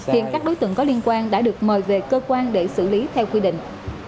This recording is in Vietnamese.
hiện các đối tượng có liên quan đã được mời về cơ quan để xử lý theo quy định